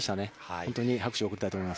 本当に拍手を送りたいと思います。